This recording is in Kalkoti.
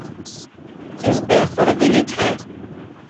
تس دا قربینی تھال۔